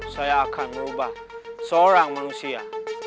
saya akan merubah seorang manusia